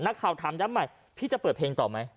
นักข่าวถามย้ำใหม่พี่จะเปิดเพลงต่อไหม